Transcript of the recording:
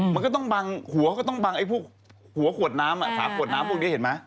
มันก็ต้องบังหัวก็ต้องบังไอ้พวกหัวขวดน้ำฝาขวดน้ำพวกนี้เห็นไหม